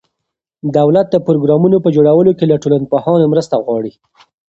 دولت د پروګرامونو په جوړولو کې له ټولنپوهانو مرسته غواړي.